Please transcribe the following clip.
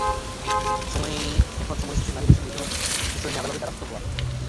এখন সময় এসেছে নারী বৈষম্যে বিভিন্ন বিষয় নিয়ে আদালতের দ্বারস্থ হওয়া।